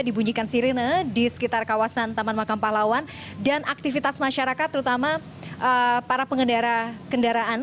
dibunyikan sirine di sekitar kawasan tmp kalibata dan aktivitas masyarakat terutama para pengendara kendaraan